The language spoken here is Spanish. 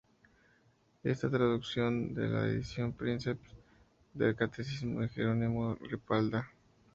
Es una traducción de la edición "princeps" del catecismo de Jerónimo de Ripalda.